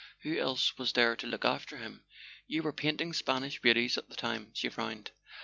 Who else was there to look after him ? You were painting Spanish beauties at the time." She frowned.